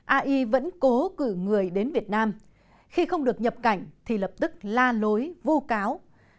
ai vẫn cố cử người đến việt nam khi không được nhập cảnh thì lập tức la lối vu cáo